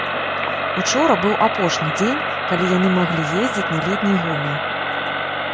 Учора быў апошні дзень, калі яны маглі ездзіць на летняй гуме.